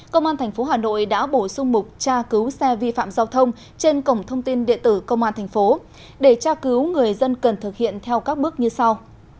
công an tp hà nội đã bổ sung mục tra cứu xe vi phạm giao thông trên cổng thông tin địa tử công an thành phố để tra cứu người dân cần thực hiện theo các bước như sau